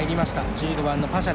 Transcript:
１５番のパシャ